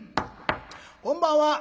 こんばんは。